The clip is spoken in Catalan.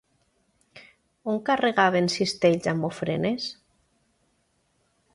On carregaven cistells amb ofrenes?